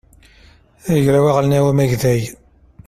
agraw aɣelnaw amagday